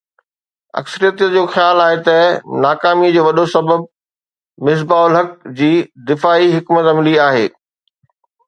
اڪثريت جو خيال آهي ته ناڪامي جو وڏو سبب مصباح الحق جي دفاعي حڪمت عملي آهي